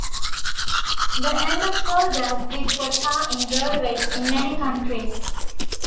The end of coal gas did for tar in roadways in many countries.